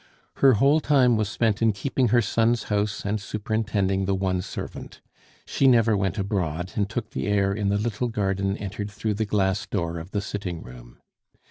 Her whole time was spent in keeping her son's house and superintending the one servant; she never went abroad, and took the air in the little garden entered through the glass door of the sitting room.